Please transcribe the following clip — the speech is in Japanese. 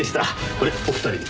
これお二人で。